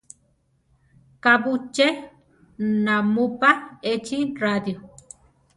¿Kabú ché namúpa échi radio?